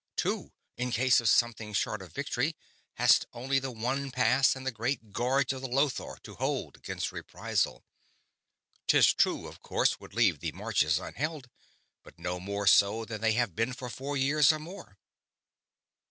Too, in case of something short of victory, hast only the one pass and the Great Gorge of the Lotar to hold 'gainst reprisal. 'Tis true such course would leave the Marches unheld, but no more so than they have been for four years or more."